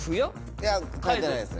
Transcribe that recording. いや変えてないです。